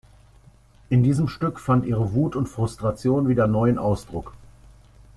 In diesem Stück fand ihre Wut und Frustration wieder neuen Ausdruck.